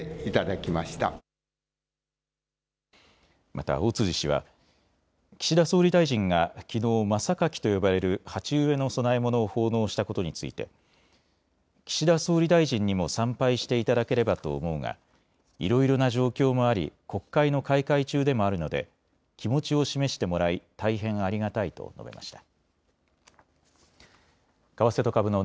また尾辻氏は岸田総理大臣がきのう真榊と呼ばれる鉢植えの供え物を奉納したことについて岸田総理大臣にも参拝していただければと思うがいろいろな状況もあり国会の開会中でもあるので気持ちを示してもらい大変ありがたいと述べました。